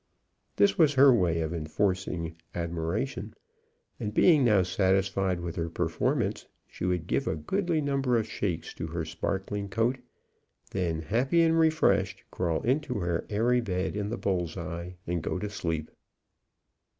This was her way of enforcing admiration; and being now satisfied with her performance, she would give a goodly number of shakes to her sparkling coat, then, happy and refreshed, crawl into her airy bed in the bull's eye, and go to sleep.